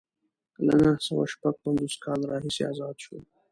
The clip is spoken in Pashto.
له نهه سوه شپږ پنځوس کال راهیسې ازاد شو.